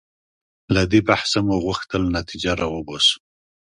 له دې بحثه مو غوښتل نتیجه راوباسو.